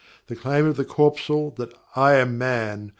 The claim of the corpuscle that: "I am Man!"